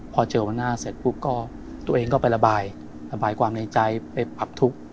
พอเจอวันหน้าเสร็จปุ๊บก็ตัวเองก็ไประบายระบายความในใจไปผับทุกข์